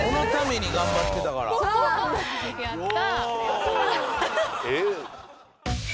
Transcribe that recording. やった！